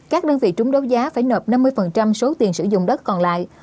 các đơn vị trúng đấu giá phải nợ năm mươi số tiền sử dụng đất còn lại